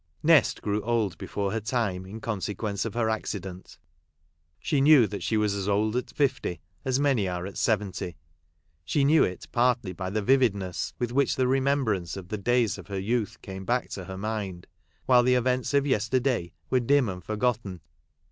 Nest grew old before her time, in conse quence of her accident. She knew that she was as old at fifty as many are at seventy. She knew it partly by the vividness with which the remembrance of the days of her youth came back to her mind, while the events of yesterday were dim and forgotten.